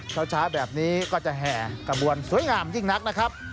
เช้าแบบนี้ก็จะแห่กระบวนสวยงามยิ่งนักนะครับ